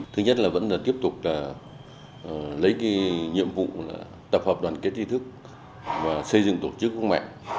thứ nhất là vẫn là tiếp tục lấy cái nhiệm vụ tập hợp đoàn kết trí thức và xây dựng tổ chức của mẹ